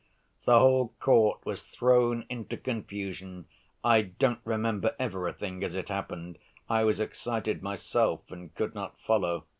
The whole court was thrown into confusion. I don't remember everything as it happened. I was excited myself and could not follow.